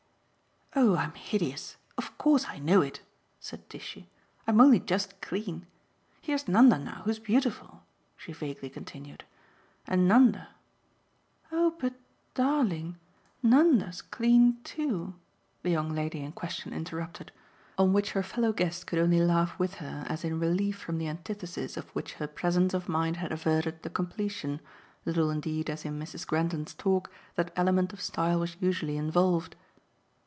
"Oh I'm hideous of course I know it," said Tishy. "I'm only just clean. Here's Nanda now, who's beautiful," she vaguely continued, "and Nanda " "Oh but, darling, Nanda's clean too!" the young lady in question interrupted; on which her fellow guest could only laugh with her as in relief from the antithesis of which her presence of mind had averted the completion, little indeed as in Mrs. Grendon's talk that element of style was usually involved.